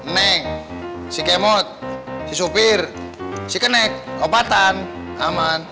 nek si kemot si supir si kenek obatan aman